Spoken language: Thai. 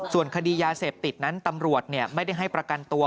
ส่วนคดียาเสพติดนั้นตำรวจไม่ได้ให้ประกันตัว